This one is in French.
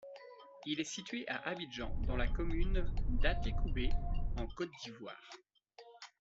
Il est situé à Abidjan, dans la commune d'Attécoubé, en Côte d'Ivoire.